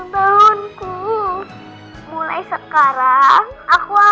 terutama ke papa